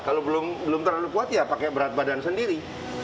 kalau belum terlalu kuat ya pakai berat badan sendiri